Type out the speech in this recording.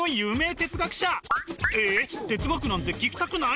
哲学なんて聞きたくない？